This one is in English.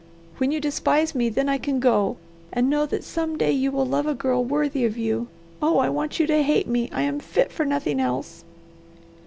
When you despise me? then I can go, and know that some day you will love a girl worthy of you. Oh I want you to hate me I am fit for nothing else."